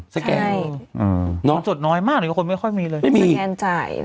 แกนน้องจดน้อยมากหรือคนไม่ค่อยมีเลยไม่มีเงินจ่าย